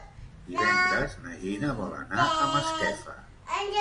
Divendres na Gina vol anar a Masquefa.